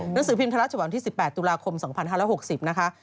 หนังสือพิมพ์ไทยรัฐฉบับวันที่๑๘ตุลาคม๒๕๖๐นะคะ